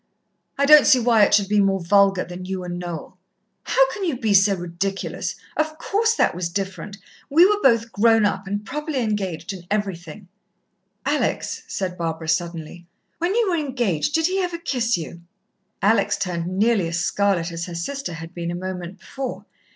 "I don't see why it should be more vulgar than you and Noel." "How can you be so ridiculous! Of course, that was quite different. We were both grown up, and properly engaged and everything." "Alex," said Barbara suddenly, "when you were engaged, did he ever kiss you?" Alex turned nearly as scarlet as her sister had been a moment before.